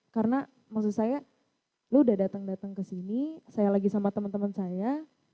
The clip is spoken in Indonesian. karena maksud saya lo udah datang datang ke sini saya lagi sama teman teman saya